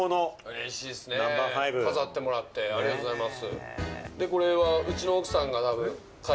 嬉しいです飾ってもらって、ありがとうございます。